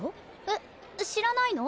えっ知らないの？